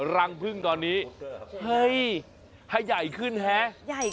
ใหญ่ขึ้นหรอ